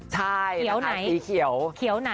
ใช่สีเขียว